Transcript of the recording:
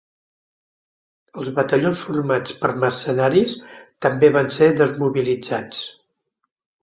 Els batallons formats per mercenaris també van ser desmobilitzats.